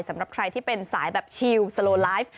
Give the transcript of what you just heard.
สำหรับใครที่เป็นสายแบบชิลสโลไลฟ์